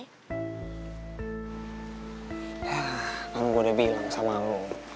ya kan gue udah bilang sama lo